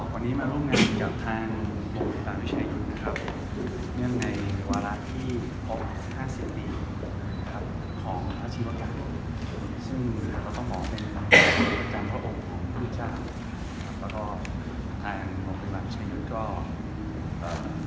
วันนี้มาร่วมงานกับทางหัวพยุดหัวบรรษชีวิตให้ยุทธ์